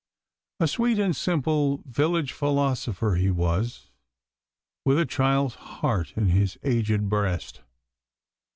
A sweet and simple village philosopher he was, with a child's heart in his aged breast.